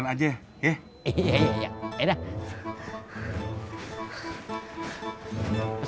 tidak ada baru